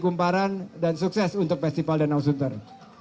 kumparan dan sukses untuk festival danau sunter